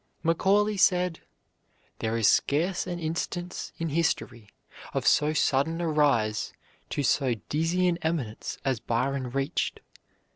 Macaulay said, "There is scarce an instance in history of so sudden a rise to so dizzy an eminence as Byron reached."